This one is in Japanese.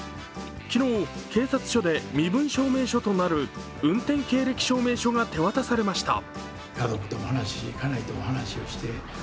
昨日、警察署で身分証明書となる運転経歴証明書が手渡されました。